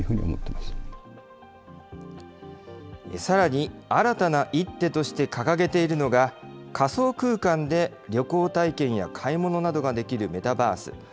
さらに、新たな一手として掲げているのが、仮想空間で旅行体験や買い物などができる、メタバース。